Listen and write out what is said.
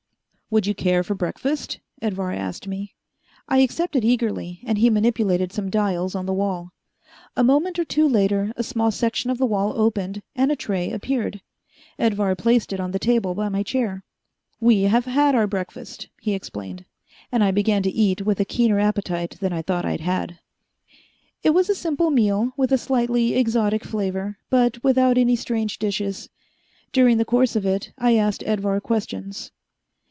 "Would you care for breakfast?" Edvar asked me. I accepted eagerly, and he manipulated some dials on the wall. A moment or two later a small section of the wall opened, and a tray appeared. Edvar placed it on the table by my chair. "We have had our breakfast," he explained, and I began to eat with a keener appetite than I thought I had. It was a simple meal with a slightly exotic flavor, but without any strange dishes. During the course of it, I asked Edvar questions.